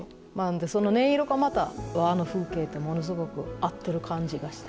その音色がまた和の風景とものすごく合ってる感じがして。